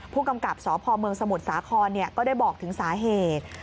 ผู้กำกับสพเมืองสมุทรสาครก็ได้บอกถึงสาเหตุ